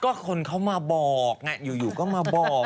ก็คนเขามาบอกไงอยู่ก็มาบอก